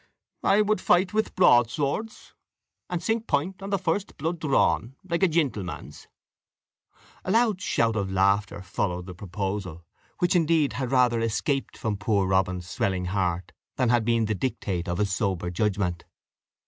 "I would fight with proadswords, and sink point on the first plood drawn, like a gentlemans." A loud shout of laughter followed the proposal, which indeed had rather escaped from poor Robin's swelling heart than been the dictate of his sober judgment.